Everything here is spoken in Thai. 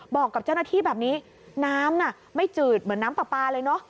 บอกกับเจ้าหน้าที่แบบนี้น้ำน่ะไม่จืดเหมือนน้ำปลาปลาเลยเนอะ